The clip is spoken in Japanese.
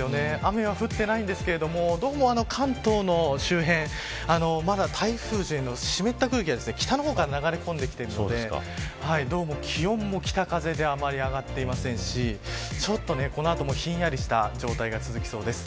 雨は降っていないんですがどんどん関東の周辺また台風以前の湿った空気が下の方から流れ込んできているので気温も北風であまり上がっていませんしちょっと、この後もひんやりた状態が続きそうです。